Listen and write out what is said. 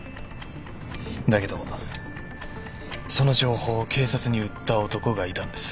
だけどその情報を警察に売った男がいたんです。